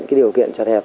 cái điều kiện chặt hẹp